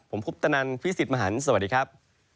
ผมพุทธนันทร์พี่สิทธิ์มหันทร์สวัสดีครับ